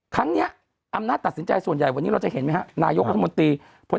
ครั้งนี้อำนาจตัดสินใจส่วนใหญ่วันนี้เราจะเห็นไหมครับนายกรัฐมนตรี